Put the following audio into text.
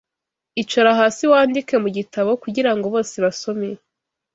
icara hasi wandike Mu gitabo, kugirango bose basome